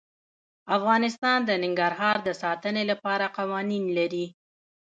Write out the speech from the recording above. افغانستان د ننګرهار د ساتنې لپاره قوانین لري.